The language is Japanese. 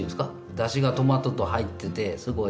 ダシがトマトと入っててすごい。